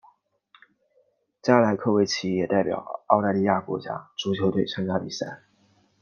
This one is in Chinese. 加莱科维奇也代表澳大利亚国家足球队参加比赛。